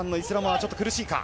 ちょっと苦しいか。